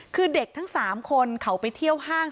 คือเด็กทั้ง๓คนเขาไปเที่ยวห้าง